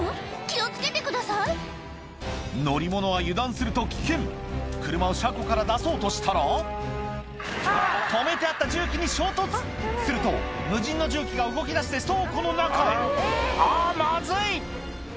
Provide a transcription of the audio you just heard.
気を付けてください乗り物は油断すると危険車を車庫から出そうとしたら止めてあった重機に衝突すると無人の重機が動きだして倉庫の中へあぁまずい！